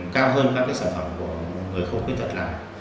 cao hơn các sản phẩm của người không khuyết tật làm